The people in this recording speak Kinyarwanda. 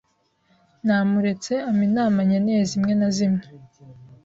Namuretse ampa inama nkeneye zimwe nazimwe